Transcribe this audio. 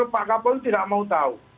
pak kapolri tidak mau tahu